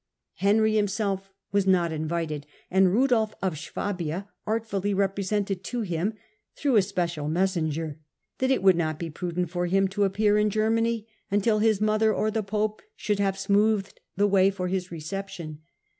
Henry, himself, was not invited ; and Rudolf of Swabia artfully represented to him, through a special messenger, that it would not be prudent for him to appear in Germany until his mother or the pope should have smoothed the way for his reception.